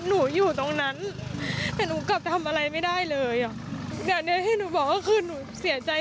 หนูจะเอาคนที่ทำร้ายเกรทให้เขาได้รับบทเรียนค่ะ